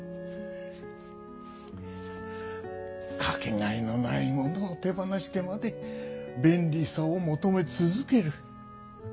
かけがえのないものを手放してまで便利さをもとめつづける。